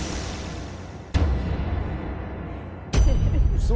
ウソ？